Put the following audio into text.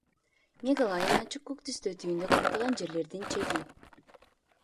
Мегалайн –ачык көк түстө, түйүндү камтыган жерлердин чеги.